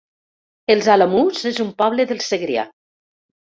Els Alamús es un poble del Segrià